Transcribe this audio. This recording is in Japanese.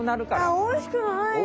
おいしくないよ。